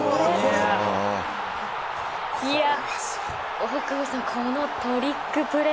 大久保さん、このトリックプレー。